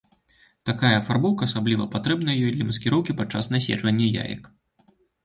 Такая афарбоўка асабліва патрэбная ёй для маскіроўкі падчас наседжвання яек.